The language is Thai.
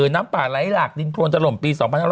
น้ำป่าไหลหลากดินโครนถล่มปี๒๕๖๐